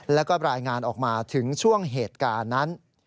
แล้วก็รายงานออกมาถึงช่วงเหตุการณ์นั้น